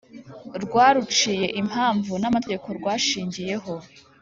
Rwaruciye impamvu n amategeko rwashingiyeho